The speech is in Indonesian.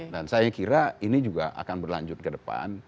dan saya kira ini juga akan berlanjut ke depan